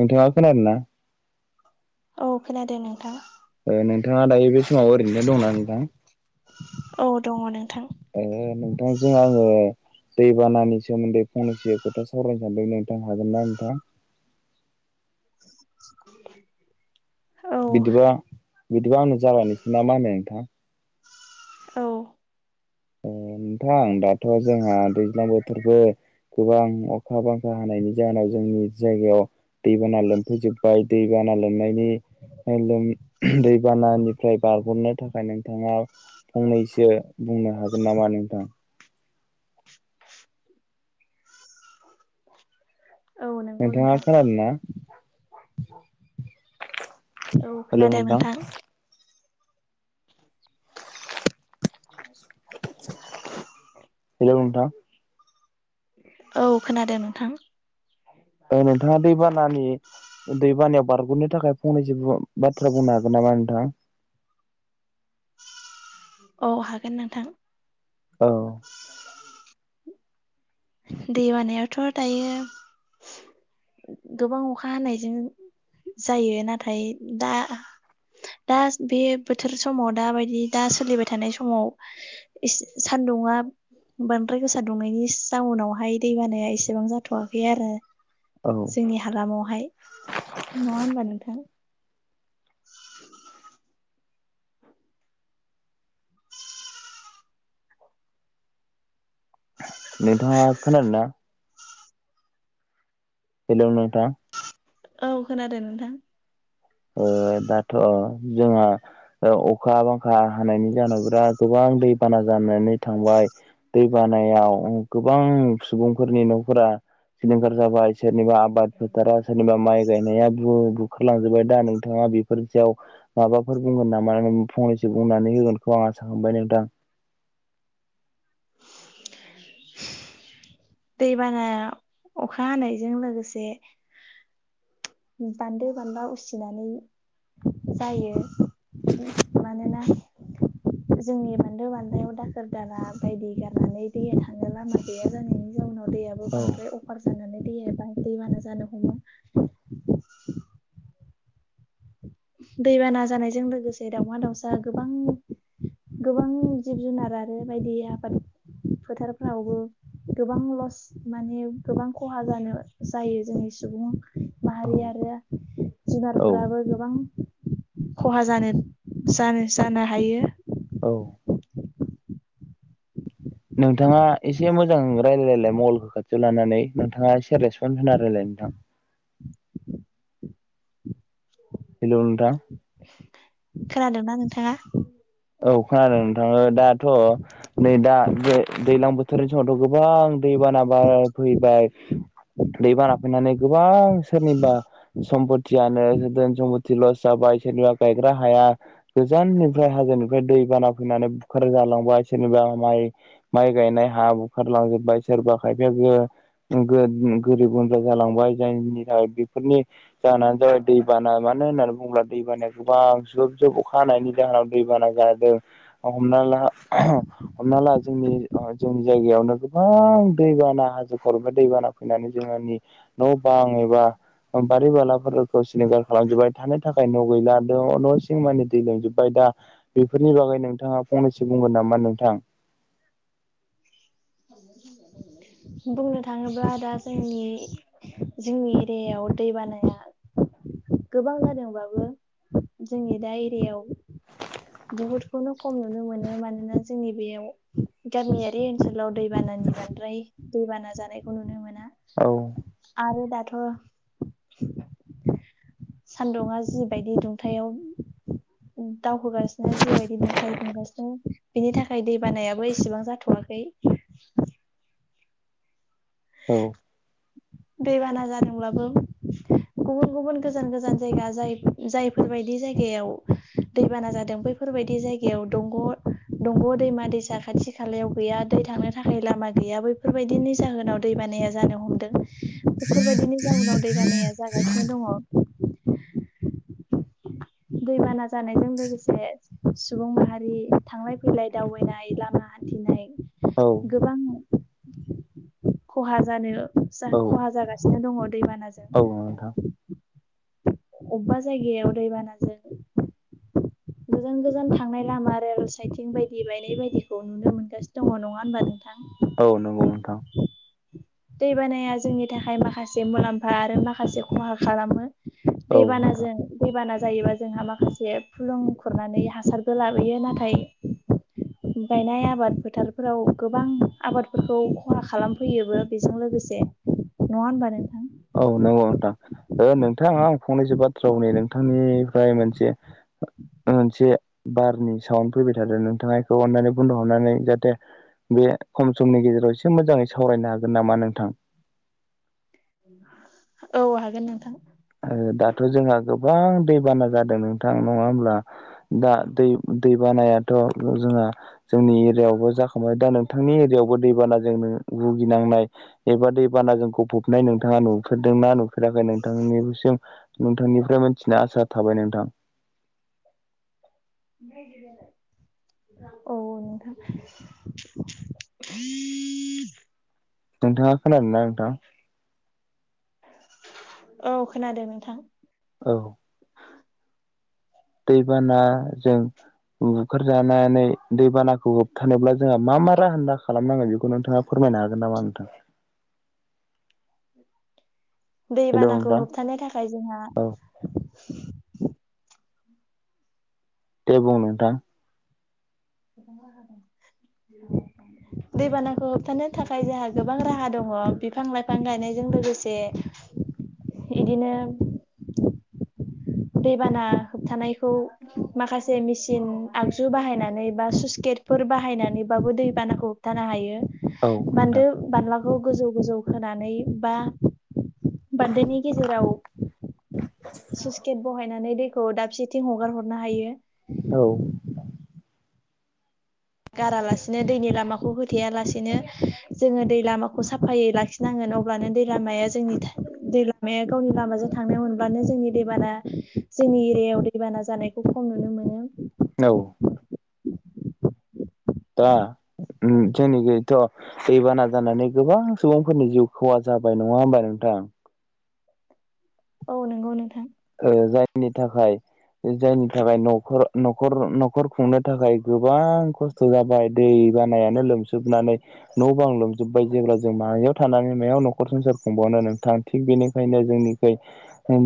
नोंथाङा खोनादों ना औ खोनादों नोंथां नोंथाङा दायो बे समाव ओरैनो दंना नोंथां औ दङ नोंथां ए नोंथांजों आङो दैबानानि सोमोन्दै फंनैसो खोथा सावरायनो सानदों नोंथां हागोनना नोंथां [inaudible] औ बिदिबा बिदिबा आंनो जाबायानोसैना मा होनो नोंथां औ ओ नोंथां दाथ' जोंहा दैज्लां बोथोरबो गोबां अखा बांखा हानायनि जाहोनाव जोंनि जायगायाव दैबाना लोमफैजोबबाय दैबाना लोमनायनि लोम दैबानानि निफ्राय बारगरनो थाखाय नोंथाङा फंनैसो बुंनो हागोन नामा नोंथां [unintelligible] [unintelligible] नंगौ नोंथाङा नोंथां खोनादोंना औ खोनादों नोंथां [inaudible] हेलौ नोंथां औ खोनादों नोंथां ओ नोंथाङा दैबानानि दैबानायाव बारग'नो थाखाय फंनैसो [unintelligible] बाथ्रा बुंनो हागोन नामा नोंथाङा औ हागोन नोंथां औ दै बानायाथ' दायो गोबां अखा हानायजों जायो नाथाय दा दा बे बोथोर समाव दाबायदि दा सोलिबाय थानाय समाव दङ बांद्राय गोसा दुंनायनि एसे टाउनावहाय दैबानाया एसेबां जाथ'वाखै आरो औ जोंनि हालामावहाय नङा होनबा नोंथां [inaudible] नोंथाङा खोनादोंना हेलौ नोंथां औ खोनादों नोंथां दाथ' जोंहा अखा बांखा हानायनि जाहोनाव बिराद गोबां गोबां दै बाना जानानै थांबाय दै बानायाव गोबां सुबुंफोरनि न'फोरा सिलिंखार जाबाय सोरनिबा आबाद फोथारा सोरनिबा माइ गायनाया बु बुखारलांजोबबाय। दा नोंथाङा बेफोरनि सायाव माबाफोर बुंगोन नामा ओम फंनैसो बुंनानै होगोनखौ आं आसा खालामबाय नोंथां [inaudible] दैबाना अखा हानायजों लोगोसे बान्दो बान्ला उसिनानै जायो। मानोना जोंनि बान्दो बान्लायाव दाखोर दाला बायदि गारनानै दैया थांनो लामा गैया जानायनि जाउनाव दैयाबो औ बांद्राय अफार जानानै दै दैबाना जानो हमो दैबाना जानायजों लोगोसे दाावमा दाउसा गोबां गोबां जिब जुनार आरो बायदि आबाद फोथारफ्रावबो गोबां लस माने गोबां खहा जानो जायो जोंनि सुबुं औ माहारिया औ जुनारफोराबो गोबां खहा जानो जानो जानो हायो। औ नोंथाङा एसे मोजां रायजलायलायलाय मगलखौ खाथियाव लानानै नोंथाङा एसे रेसपन्स होना रायलाय नोंथां हेलौ नोंथां खोनादोंना नोंथाङा? औ खोनादों नोंथाङो दाथ' नै दा बे दैज्लां बोथोरनि समावथ' गोबां दै बाना बा फैबाय दैबाना फैनानै गोबां सोरनिबा सम्पतयानो धोन सम्पत लस जाबा य सोनिबा गायग्रा हाया गोजाननिफ्राय हाजोनि ओमफ्राय दै बाना फैनानै बुखार जालांबाय सोरनिबा माइ माइ गायनाय हा बुखारलांजोब्बाय सोरबा खायफायाबो गोरिब गुन्द्रा जालांबाय जायनि थाखाय बेफोरनि जाहोनानो जाबाय दै बाना माने मानो होननानै बुंङोब्ला दैबाना गोबां जुब जुब अखा हानायनि जाहोनाव दैबाना जादों हमना ला हमना ला जोंनि जोंनि जायगायावनो गोबां दैबाना हाजो खरनिफाय दै बाना फैनानै जोंनि न' बां एबा बारि बालाफोरखौ सिलिंखार खालामजोबबाय थानो थाखाय न' गैला न' सिं मानि दै लोमजोब्बाय दा बेफोरनि बागै नोंथाङा फंनैसो बुंगोन नामा नोंथां बुंनो थाङोब्ला दा जोंनि जोंनि एरियायाव दै बानाया [inaudible] गोबां जादोंबाबो जोंनि दा एरियायाव बहुद खौनो खम नुनो मोनो मानोना जोंनि बेयाव गामियारि ओनसोलाव दैबानानि बांद्राय दैबाना जानायखौ नुनो मोना औ आरो दाथ' ओ [inaudible] सान्दुङा जिबायदि दुंथायाव दावखोगासिनो जिबायदि दुंथाय दंगासिनो बेनि थाखाय दै बानायाबो एसेबां जाथ'वाखै खै [inaudible] औ दैबाना जादोंब्लाबो गुबुन गुबुन गोजान गोजान जायगा जाय जायफोरबायदि जायगायाव दैबाना जादों बैफोरबायदि जायगायाव दंग' दंग' दैमा दैसा खाथि खालायाव गैया दै थांनो थाखाय लामा गैया बैफोरबायदिनि जाहोनाव दै बानाया जानो हमदों बेफोरबायदिनि जाउनाव दै बानाया जागासिनो दङ दैबाना जानायजों लोगोसे सुबुं माहारि थांलाय फैलाय दावबायनाय लामा हान औ हान्थिनाय गोबां खहा जानो औ खहा जागासिनो दङ औ दैबानाजों नोंथां अबेबा जायगायाव दैबानाजों गोजान गोजान थांनाय लामा रेल साइथिं बायदि बायनाय बायदिखौ नुनो मोनगासिनो दङ नङा होनबा नोंथां औ नंगौ नोंथां दै बानाया जोंनि थाखाय माखासे मुलाम्फा आरो माखासे खहा खालामो औ नोंथां दैबानाजों दैबानाजों जायोबा जोंहा माखासे फुलुं खुरनानै हासारबो लाबोयो नाथाय बायनाय आबाद फोथारफोराव गोबां आबादफोरखौ खहा खालामफैयोबो बेजों लोगोसे नङा होनबा नोंथां औ नंगौ नोंथां नोंथाङा आं फंनैसो बाथ्रानि नोंथांनि फ्राय मोनसे मोनसे बारनि साउड फैबाय थादों नोंथांखौ अन्नानै बन्द खालिमनानै जाहाथे बे खम समनि गेजेराव एसे मोजाङै सावरायनो हागोन नामा नोंथां औ हागोन नोंथां ओ दाथ' जोंहा गोबां दैबाना जादों नोंथां नङा हब्ला दा दैबाना जों जोंनि एरियावबो जाखांबाय दा नोंथांनि एरियायावबो दैबाना जों भुगिनांनाय एबा दैबाना जोंखौ नोंथाङा नुफेरदोंना नुफेराखै नोंथांनिसिम नोंथांनिफ्राय मिथिना आसा थाबाय नोंथां [unintelligible] औ नोंथां नोंथाङा खोनादों ना नोंथां औ खोनादों नोंथां औ दैबाना जों बुखारजानानै दैबानाखौ होबथानोब्ला जोंहा मा मा राहान्दा खालामनांगो बेखौ नोंथाङा फोरमाय नो हागोन नामा नोंथां हेलौ दैबानाखौ नोंथां होबथानो थाखाय जोंहा औ दे बुं नोंथां [inaudible] दैबानाखौ होबथानो थाखाय जोंहा गोबां राहा दङ बिफां लाइफां गायनायजों लोगोसे [inaudible] बिदिनो दैबाना होबथानायखौ माखासे मिसिन आगजु बाहायनानै बा स्लुइस गेट फोर बाहायनानैबाबो दै बानाखौ हथानो औ हायो नोंथां बान्दो बालाफोर खौ गोजौ गोजौ होनानै बा बान्दोनि गेजेराव स्लुइस गेट बहायनानै दैखौ दाबसेथिं हगार हरनो हायो। औ गारालासिनो दैनि लामाखौ होथेयालासिनो जोङो दै लामाखौ साफायै लाखिनाङो अब्लानो दै लामाया जोंनि दै लामाया गावनि लामाजों थांनो हनब्लानो जोंनि दैबाना जोंनि एरियायाव दैबाना जानायखौ खम नुनो मोनो। औ दा जोंनिखिथ' दैबाना जानानै गोबां सुबुंफोरनि जिउ खहा जाबाय नङा होमबा नोंथां औ नंगौ नोंथां ओ जायनि थाखाय जायनि थाखाय न'खर न'खर न'खर खुंनो थाखाय गोबां खस्थ' जाबाय दै दै बानायानो लोमजोबनानै न' बां लोमजोबबाय जेब्ला जों मायाव थानानै मायाव न'खर संसार खुंबाव नो नोंथां थिग बेनिखायनो जोंनिखै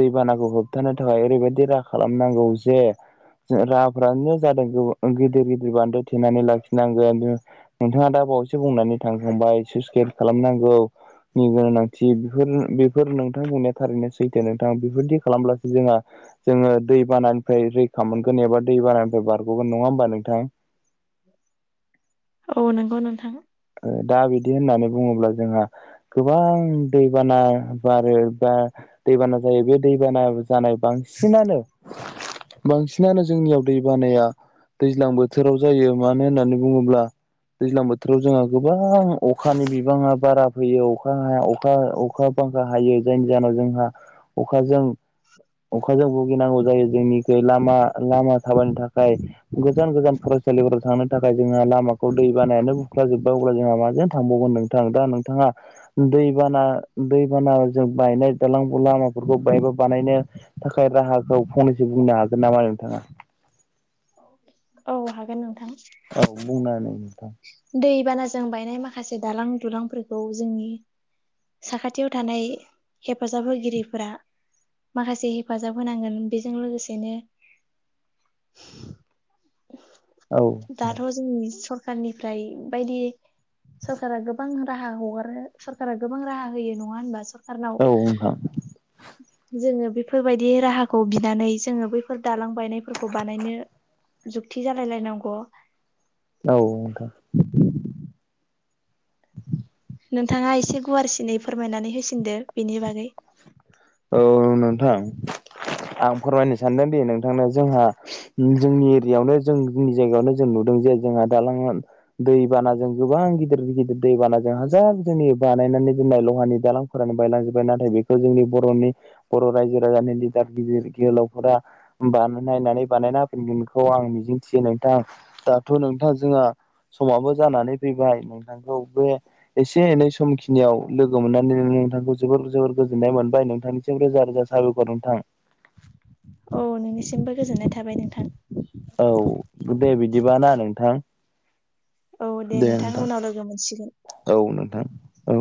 दै बाना खौ होबथानो थाखाय ओरैबायदि राहा खालामनांगौ जे राहाफ्रानो जादों गिदिर गिदिर बान्दो थेनानै लाखिनांगोन नोंथाङा दा बावैसो बुंनानै थांखांबाय सुइसकाइद खालामनांगौ नि गोनांथिफोर बेफोर नोंथां बुंनाया थारैनो सैथो नोंथाङा बेफोरदि खालामब्लासो जोंहा जोङो दै बानानिफ्राय रैखा मोनगोन एबा दै बानानिफ्राय बारगोन नङा होमबा नों थां औ नंगौ नोंथां दा बिदि होननानै बुङोब्ला जोंहा गोबां दैबाना बारो बा दैबाना जायो बे दैबाना जानाय बां सिनानो बांसिनानो जोंनियाव दै बानाया दैज्लां बोथोराव जायो मानो होननानै बुङोब्ला दैज्लां बोथोराव जोंहा गोबां अखानि बिबाङा बारा फैयो अखा हाया अखा अखा अखा बांखा हायो जायनि जाहोनाव जोंहा अखाजों अखाजों भुगिनांगौ जायो जोंनिखै लामा लामा थाबायनो थाखाय गोजान गोजान फरायसालिफोराव थांनो थाखाय जोंहा लामाखौ दै बानायानो खुरखा जोब्बाय अब्ला जोंहा माजों थांबावगोन नोंथां दा नोंथाङा दैबाना दैबाना जों बायनाय दालां लामाफोरखौ बायबा बानायनो थाखाय राहाखौ फंनैसो बुंनो हागोन नामा नोंथाङा हा [unintelligible] औ हागोन नोंथां औ बुंना हो नोंथां दैबानाजों बायनाय माखासे दालां दुलांफोरखौ जोंनि साखाथियाव थानाय हेफाजाब होगिरिफोरा माखासे हेफाजाब होनांगोन बेजों लोगोसेनो [inaudible] औ दाथ' नोंथां जोंनि सरखारनिफ्राय बायदि सरखारा गोबां राहा हगारो सरकारा गोबां राहा होयो नङा होनबा सरक सरकारनाव औ नोंथां जोङो बे बेफोरबायदि राहाखौ बिनानै जोङो बैफोर दालांबायनायफोरखौ बानायनो जुक्ति जालायलायनांगौ औ नोंथां नोंथाङा एसे गुवारसिनै फोरमायनानै होसिनदो बेनि बागै औ नोंथां आं फोरमायनो सानदों दे नोंथांनो जोंहा जोंनि एरियायावनो जों जोंनि जायगायावनो जों नुदों जे जोंहा दालां दै बानाजों गोबां गिदिर गिदिर दैबानाजों हाजार जोंनि बानायनानै दोननाय लहानि दालांफोरानो बायलांजोब्बाय नाथाय बेखौ जोंनि बर'नि बर' रायजो राजानि लिदार गिदिर गोलावफोरा बानाय नायनानै बानायना होफिनगोन आं मिजिंथियो नोंथां दाथ' नोंथां जोंहा समाबो जानानै फैबाय नोंथां बे एसे एनै समखिनियाव लोगो मोननानै नोंथांखौ जोबोर जोबोर गोजोननाय मोन बाय नोंथांनिसिम रोजा रोजा साबायखर नोंथां औ नोंनिसिमबो गोजोननाय थाबाय नोंथां बिदिबाना नोंथां औ दे नोंथां उनाव लोगो मोनसिगोन थां औ